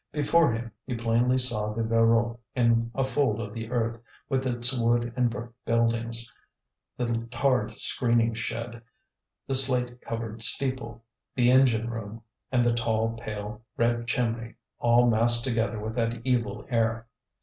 Before him he plainly saw the Voreux in a fold of the earth, with its wood and brick buildings, the tarred screening shed, the slate covered steeple, the engine room and the tall, pale red chimney, all massed together with that evil air.